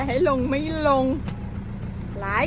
กินข้าวขอบคุณครับ